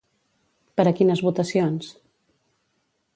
Per a quines votacions?